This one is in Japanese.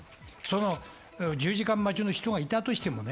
１０時間待ちの人がいたとしてもね。